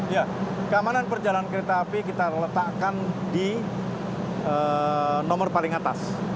ya keamanan perjalanan kereta api kita letakkan di nomor paling atas